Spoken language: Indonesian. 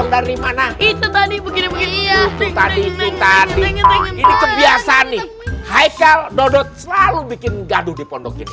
dari mana hai hai hai hai hai hai hai hai hai hai hai hai hai hai hai hai hai hai